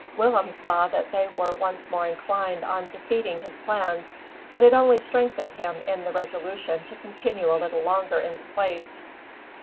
Willem saw that they were once more inclined on defeating his plans, but it only strengthened him in the resolution to continue a little longer in the place.